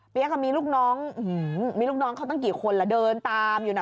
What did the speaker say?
เปี๊ยกมีลูกน้องเขาตั้งกี่คนละเดินตามอยู่นะ